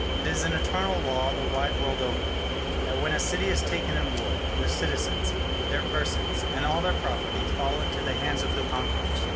It is an eternal law the wide world over, that when a city is taken in war, the citizens, their persons, and all their property fall into the hands of the conquerors.